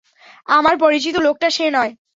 আমার পরিচিত লোকটা সে নয়।